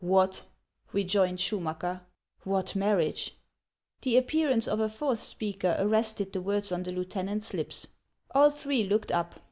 " What !" rejoined Schumacker ;" what marriage ?" The appearance of a fourth speaker arrested the words on the lieutenant's lips. All three looked up.